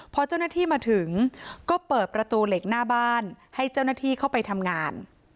พอเจ้าหน้าที่มาถึงก็เปิดประตูเหล็กหน้าบ้านให้เจ้าหน้าที่เข้าไปทำงาน